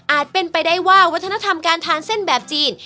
เป็นไปได้ว่าวัฒนธรรมการทานเส้นแบบจีน